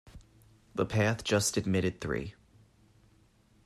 The path just admitted three.